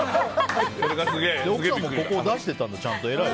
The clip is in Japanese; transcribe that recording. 奥さんもここを出してたんだ偉い。